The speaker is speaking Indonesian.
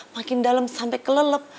makin dalem sampe kelelep